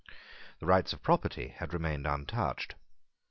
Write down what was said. The rights of property had remained untouched.